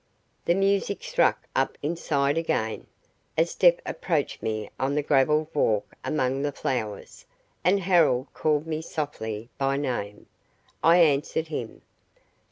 The music struck up inside again. A step approached me on the gravelled walk among the flowers, and Harold called me softly by name. I answered him.